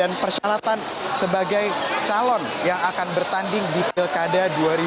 dan persyaratan sebagai calon yang akan bertanding di pilkada dua ribu tujuh belas